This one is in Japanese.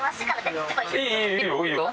・いいよいいよ。